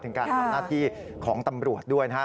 การทำหน้าที่ของตำรวจด้วยนะครับ